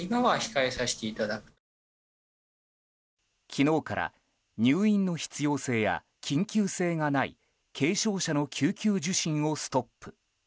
昨日から入院の必要性や緊急性がない軽症者の救急受診をストップ。